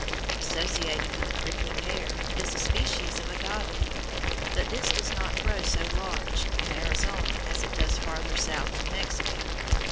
Associated with the prickly pear is a species of agave, but this does not grow so large in Arizona as it does farther south in Mexico.